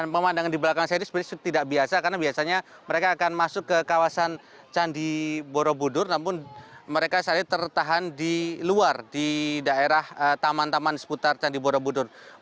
pemandangan di belakang saya ini sebenarnya tidak biasa karena biasanya mereka akan masuk ke kawasan candi borobudur namun mereka saat ini tertahan di luar di daerah taman taman seputar candi borobudur